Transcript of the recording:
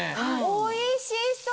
おいしそう！